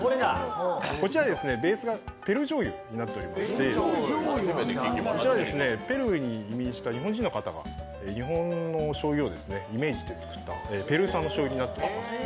こちらベースがペルーじょうゆになっていまして、ペルーに移住した日本人の方が日本のしょうゆをイメージして作ったのでペルー産のしょうゆです。